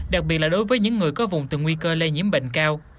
đặc biệt là đối với những người có vùng từ nguy cơ lây nhiễm bệnh cao